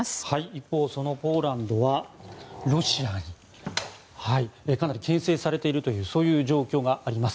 一方、そのポーランドはロシアにかなりけん制されているというそういう状況があります。